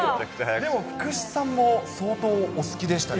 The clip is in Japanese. でも福士さんも相当、お好きでしたね。